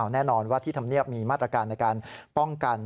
แน่นอนว่าที่ธรรมเนียบมีมาตรการในการป้องกัน